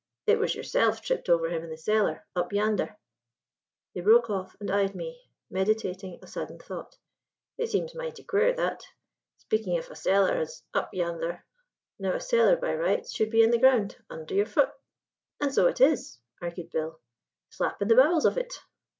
"It was yourself tripped over him in the cellar, up yandhar." He broke off and eyed me, meditating a sudden thought. "It seems mighty queer, that speaking of a cellar as 'up yandhar.' Now a cellar, by rights, should be in the ground, under your fut." "And so it is," argued Bill; "slap in the bowels of it."